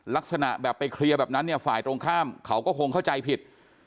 ลักษณะแบบไปเคลียร์แบบนั้นเนี่ยฝ่ายตรงข้ามเขาก็คงเข้าใจผิด